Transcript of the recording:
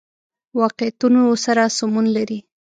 واقعیتونو سره سمون لري.